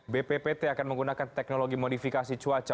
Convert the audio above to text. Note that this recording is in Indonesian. bppt akan menggunakan teknologi modifikasi cuaca